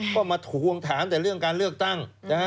ก็มาถูกความถามแต่เรื่องการเลือกตั้ง